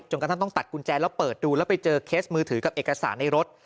กระทั่งต้องตัดกุญแจแล้วเปิดดูแล้วไปเจอเคสมือถือกับเอกสารในรถ